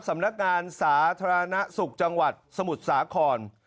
สำนักงานสาธารณสุขจังหวัดสมุทรสาคร